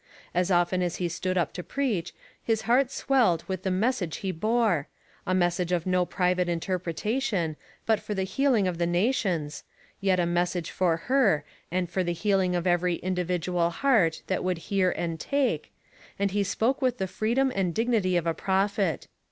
As often as he stood up to preach, his heart swelled with the message he bore a message of no private interpretation, but for the healing of the nations, yet a message for her, and for the healing of every individual heart that would hear and take, and he spoke with the freedom and dignity of a prophet.